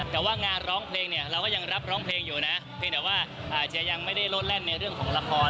แต่ว่างานร้องเพลงเรายังรับร้องเพลงอยู่นะเห็นหรือว่าหาเอ้ยยังไม่ได้ลดเล่นในเรื่องของละคร